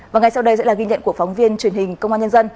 và ngay sau đây sẽ là ghi nhận của phóng viên truyền hình công an nhân dân